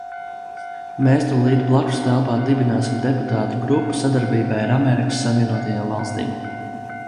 Mēs tūlīt blakustelpā dibināsim deputātu grupu sadarbībai ar Amerikas Savienotajām Valstīm.